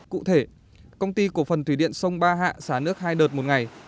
cụ thể công ty của phần thủy điện sông ba hạ xá nước hai đợt một ngày